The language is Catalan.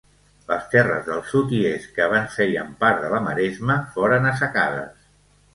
Les terres del sud i est que abans feien part de la maresma foren assecades.